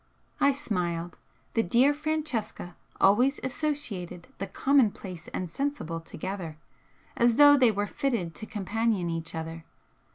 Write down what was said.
I smiled. The dear Francesca always associated 'the commonplace and sensible' together, as though they were fitted to companion each other.